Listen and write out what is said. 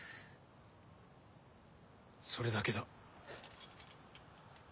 それだけだ。